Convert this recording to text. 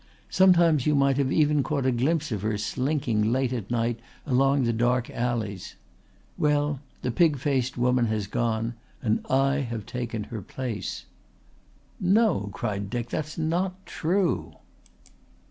Sometimes you might have even caught a glimpse of her slinking late at night along the dark alleys. Well, the pig faced woman has gone and I have taken her place." "No," cried Dick. "That's not true."